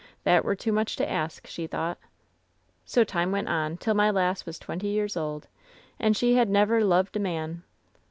That were too much to ask, she thought "So time went on, till my lass was twenty years old, and she had never lo'ed a man.